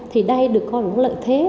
thì đây được coi là lợi thế